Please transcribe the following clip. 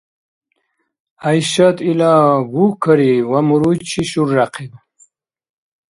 ГӀяйшат ила гугкарииб ва муруйчи шурряхъиб.